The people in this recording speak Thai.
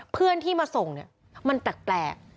เพื่อนที่มาส่งเนี่ยมันแปลก